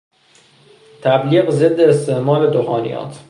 تبلیغ ضد استعمال دخانیات